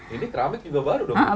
ini keramik juga baru dong